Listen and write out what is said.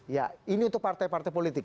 ya ini untuk partai partai politik